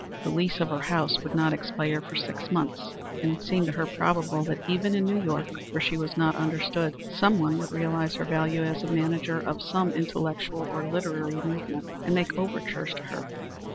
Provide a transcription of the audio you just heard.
The lease of her house would not expire for six months, and it seemed to her probable that even in New York, where she was not understood, someone would realize her value as a manager of some intellectual or literary movement and make overtures to her.